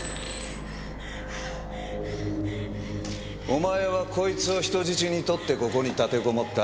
お前はこいつを人質にとってここに立てこもった。